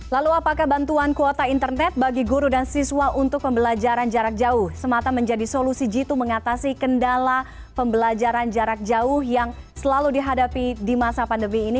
lalu apakah bantuan kuota internet bagi guru dan siswa untuk pembelajaran jarak jauh semata menjadi solusi jitu mengatasi kendala pembelajaran jarak jauh yang selalu dihadapi di masa pandemi ini